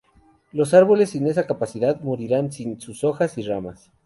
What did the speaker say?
Los árboles sin esa capacidad morirán sin sus hojas y ramas.